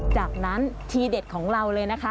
จากนั้นทีเด็ดของเราเลยนะคะ